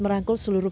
yang lebih baik